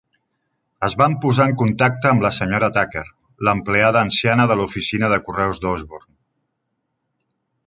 Es van posar en contacte amb la senyora Tucker, l'empleada anciana de l'oficina de correus d'Osborne.